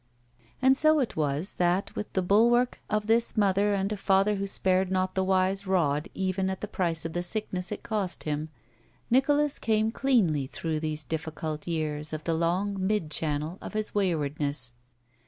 And so it was that with the bulwark of this mother 229 ROULETTE and a father who spared not the wise rod even at the price of the sickness it cost him, Nicholas came cleanly through these difficult years of the long midchannel of his wajrwardness.